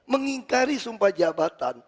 mengingkari sumpah jabatan